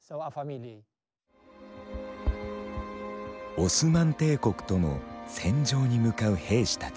オスマン帝国との戦場に向かう兵士たち。